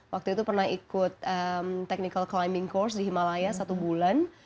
waktu itu pernah ikut technical climbing course di himalaya satu bulan